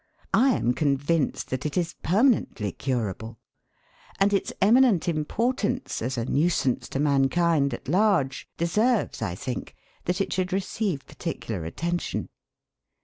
I am convinced that it is permanently curable. And its eminent importance as a nuisance to mankind at large deserves, I think, that it should receive particular attention.